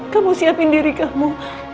kamu siapin diri kamu